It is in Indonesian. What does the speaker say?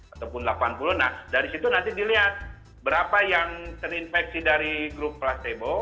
ataupun delapan puluh nah dari situ nanti dilihat berapa yang terinfeksi dari grup placebo